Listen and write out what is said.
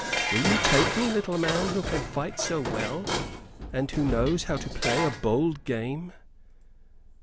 Will you take me, little man, who can fight so well, and who knows how to play a bold game?"